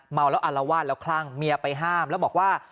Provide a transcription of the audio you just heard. เมาแล้วอารวาสแล้วคลั่งเมียไปห้ามแล้วบอกว่า